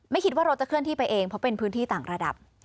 คิดว่ารถจะเคลื่อนที่ไปเองเพราะเป็นพื้นที่ต่างระดับ